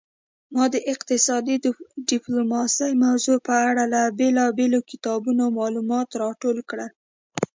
ما د اقتصادي ډیپلوماسي موضوع په اړه له بیلابیلو کتابونو معلومات راټول کړل